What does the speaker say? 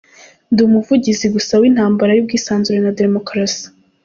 "Ndi umuvugizi gusa w'intambara y'ubwisanzure na demokarasi".